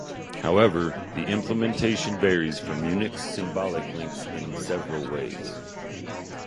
However, the implementation varies from Unix symbolic links in several ways.